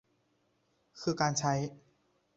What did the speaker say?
คือการใช้